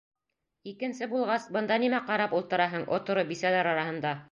Икенсе булғас, бында нимә ҡарап ултыраһың, оторо бисәләр араһында?